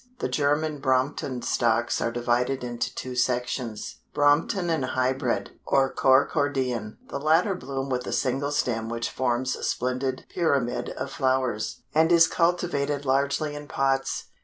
The German Brompton Stocks are divided into two sections; Brompton and Hybrid, or Cocordean. The latter bloom with a single stem which forms a splendid pyramid of flowers, and is cultivated largely in pots.